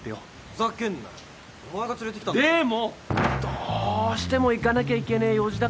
どうしても行かなきゃいけねえ用事だから。